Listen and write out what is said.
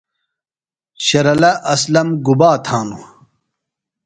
شرلہ اسلم گُبا تھا نوۡ؟